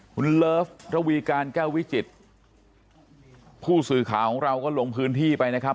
คุณเลิฟระวีการแก้ววิจิตรผู้สื่อข่าวของเราก็ลงพื้นที่ไปนะครับ